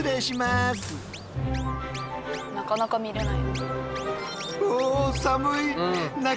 なかなか見れない。